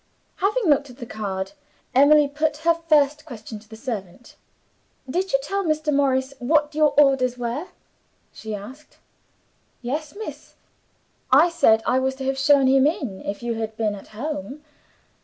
Having looked at the card, Emily put her first question to the servant. "Did you tell Mr. Morris what your orders were?" she asked. "Yes, miss; I said I was to have shown him in, if you had been at home.